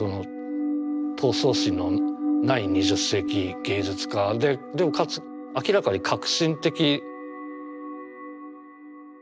闘争心のない２０世紀芸術家ででもかつ明らかに革新的。